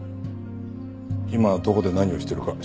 今どこで何をしているか調べる。